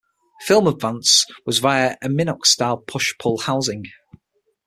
Film advance was via a Minox-style push-pull housing.